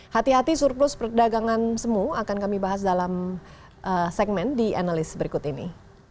hati hati surplus perdagangan semu akan kami bahas dalam segmen di analis berikut ini